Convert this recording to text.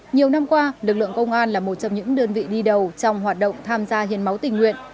nhiều năm qua lực lượng công an là một trong những đơn vị đi đầu trong hoạt động tham gia hiến máu tình nguyện